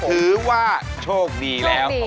ถือว่าโชคดีแล้ว